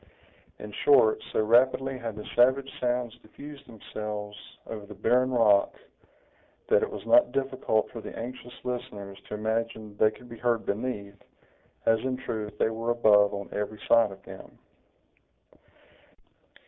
In short, so rapidly had the savage sounds diffused themselves over the barren rock, that it was not difficult for the anxious listeners to imagine they could be heard beneath, as in truth they were above on every side of them.